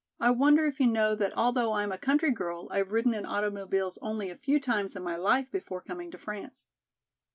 "I wonder if you know that although I am a country girl I have ridden in automobiles only a few times in my life before coming to France."